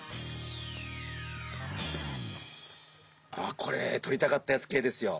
あこれとりたかったやつ系ですよ。